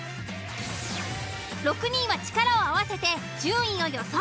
６人は力を合わせて順位を予想。